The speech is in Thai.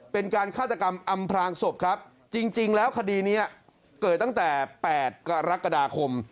เป็นการฆาตกรรมอำพลางศพครับจริงแล้วคดีนี้เกิดตั้งแต่๘กรกฎาคม